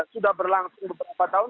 sudah berlangsung beberapa tahun